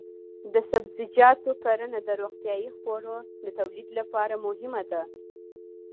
د سبزیجاتو کرنه د روغتیايي خوړو د تولید لپاره مهمه ده.